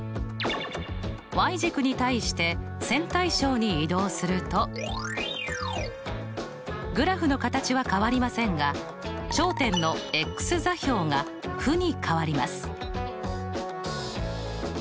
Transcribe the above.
軸に対して線対称に移動するとグラフの形は変わりませんが頂点の座標が負に変わります。